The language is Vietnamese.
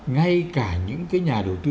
ngay cả những cái nhà đầu tư